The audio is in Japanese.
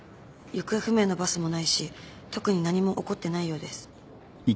行方不明のバスもないし特に何も起こってないようです。